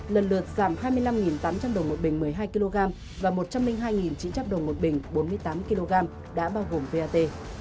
lần lượt giảm hai mươi năm tám trăm linh đồng một bình một mươi hai kg và một trăm linh hai chín trăm linh đồng một bình bốn mươi tám kg đã bao gồm vat